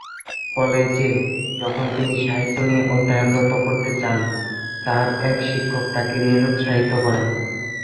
কলেজে যখন তিনি সাহিত্য নিয়ে অধ্যয়ন করতে চান, তার এক শিক্ষক তাকে নিরুৎসাহিত করেন।